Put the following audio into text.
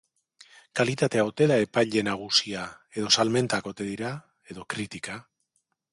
Kalitatea ote da epaile nagusia, edo salmentak ote dira, edo kritika?